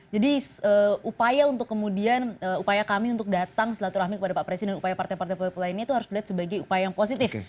jadi upaya untuk kemudian upaya kami untuk datang selaturahmi kepada pak presiden upaya partai partai lainnya itu harus dilihat sebagai upaya yang positif